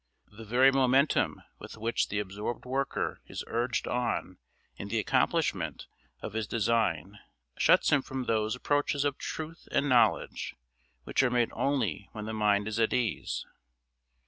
The very momentum with which the absorbed worker is urged on in the accomplishment of his design shuts him from those approaches of truth and knowledge which are made only when the mind is at ease.